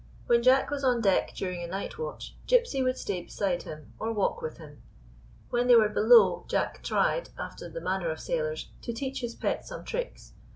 When Jack was on deck during a night watch Gypsy would stay beside him or walk with him. When they were below Jack tried, after the manner of sailors, to teach his pet some tricks.